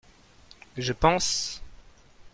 Je pense.